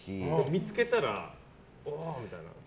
見つけたら、おー！みたいな？